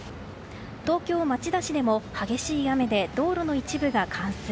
東京・町田市でも激しい雨で道路の一部が冠水。